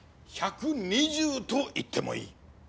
１２０と言ってもいい。